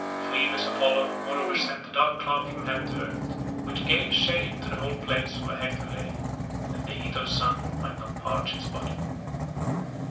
Phoebus Apollo moreover sent a dark cloud from heaven to earth, which gave shade to the whole place where Hector lay, that the heat of the sun might not parch his body.